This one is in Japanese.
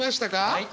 はい。